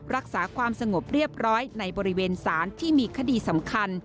รักษาความสงบเรียบร้อยในบริเวณศาลที่มีคดีสำคัญ